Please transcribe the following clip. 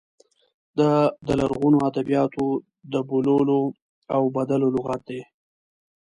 دا د لرغونو ادبیاتو د بوللو او بدلو لغت دی.